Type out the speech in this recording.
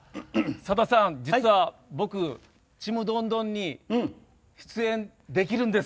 さださん、実は僕「ちむどんどん」に出演できるんです！